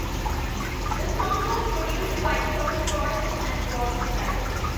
The song was produced by Kelly Gordon and Bobby Parris.